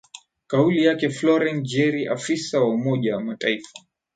kauli yake floren jerry afisa wa umoja mataifa